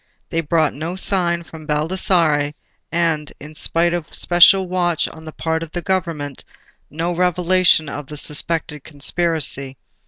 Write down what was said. They brought no sign from Baldassarre, and, in spite of special watch on the part of the Government, no revelation of the suspected conspiracy.